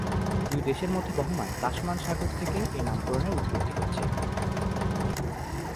দুই দেশের মধ্যে বহমান তাসমান সাগর থেকে এ নামকরণের উৎপত্তি হয়েছে।